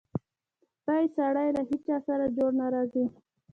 سپی سړی له هېچاسره جوړ نه راځي.